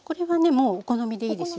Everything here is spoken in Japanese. もうお好みでいいですよ。